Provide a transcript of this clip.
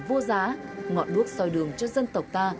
vô giá ngọn đuốc soi đường cho dân tộc ta